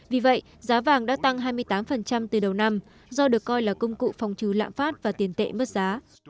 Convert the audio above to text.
vì vậy giá vàng đã tăng hai mươi tám từ đầu năm do được coi là công cụ phòng trừ lạm phát và tiền tệ mất giá